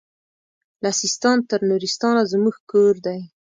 له سیستان تر نورستانه زموږ کور دی